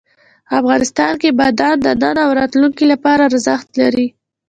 افغانستان کې بادام د نن او راتلونکي لپاره ارزښت لري.